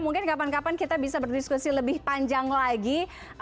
mungkin kapan kapan kita bisa berdiskusi lebih panjang lagi